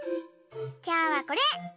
きょうはこれ！